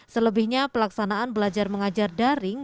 selebihnya pelaksanaan belajar mengajar daring